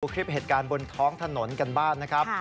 คลิปเหตุการณ์บนท้องถนนกันบ้างนะครับ